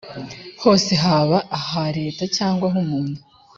hose haba aha leta cyangwa ah’umuntu